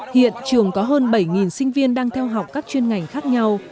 hiện trường có hơn bảy sinh viên đang theo học các chuyên ngành khác nhau